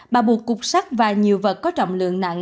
bà buộc cục sắc và nhiều vật có trọng lượng nặng